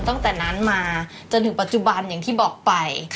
ตั้งแต่นั้นมาจนถึงปัจจุบันอย่างที่บอกไป